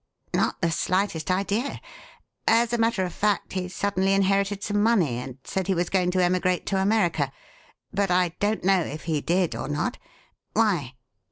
"Not the slightest idea. As a matter of fact, he suddenly inherited some money, and said he was going to emigrate to America. But I don't know if he did or not. Why?"